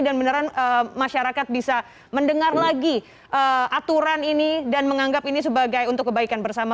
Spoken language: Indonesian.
dan beneran masyarakat bisa mendengar lagi aturan ini dan menganggap ini sebagai untuk kebaikan bersama